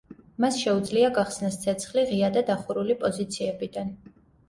მას შეუძლია გახსნას ცეცხლი ღია და დახურული პოზიციებიდან.